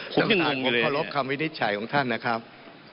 ผมยังงงเลยท่านประธานผมขอรบคำวินิจฉัยของท่านนะครับ